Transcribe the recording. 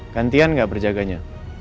gantian gak berjaganya